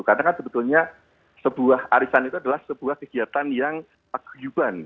karena kan sebetulnya sebuah arisan itu adalah sebuah kegiatan yang agiuban